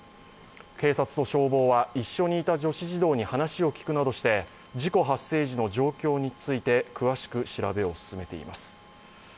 警察と消防は一緒にいた女子児童に話を聞くなどして事故発生時の状況について詳しく調べを進めています。